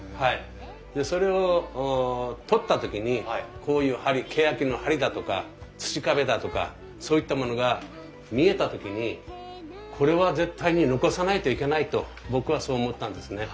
それを取った時にこういうけやきの梁だとか土壁だとかそういったものが見えた時にこれは絶対に残さないといけないと僕はそう思ったんですね。